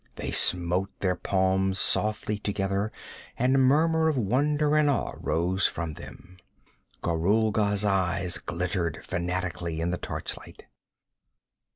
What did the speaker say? They smote their palms softly together and a murmur of wonder and awe rose from them. Gorulga's eyes glittered fanatically in the torchlight.